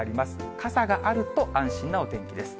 傘があると安心なお天気です。